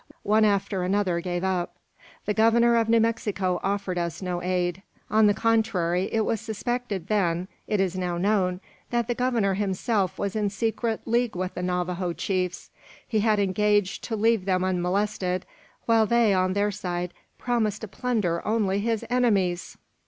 One after another gave up. The Governor of New Mexico offered us no aid. On the contrary, it was suspected then it is now known that the Governor himself was in secret league with the Navajo chiefs. He had engaged to leave them unmolested; while they, on their side, promised to plunder only his enemies!